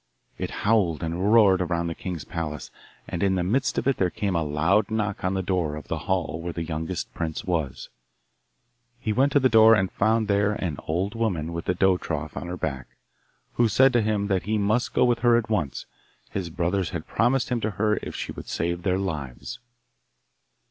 It howled and roared around the king's palace, and in the midst of it there came a loud knock on the door of the hall where the youngest prince was. He went to the door and found there an old woman with a dough trough on her back, who said to him that he must go with her at once; his brothers had promised him to her if she would save their lives.